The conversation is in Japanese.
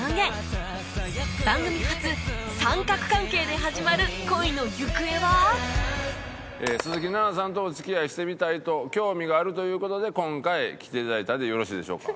番組初鈴木奈々さんとお付き合いしてみたいと興味があるという事で今回来ていただいたでよろしいでしょうか？